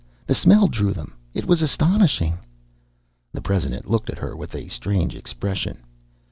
The smell drew them. It was astonishing!" The president looked at her with a strange expression.